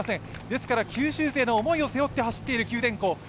ですから、九州勢の思いを背負って走っている九電工。